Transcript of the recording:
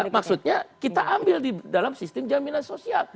maksudnya kita ambil di dalam sistem jaminan sosial